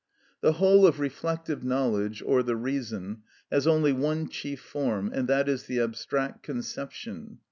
The whole of reflective knowledge, or the reason, has only one chief form, and that is the abstract conception.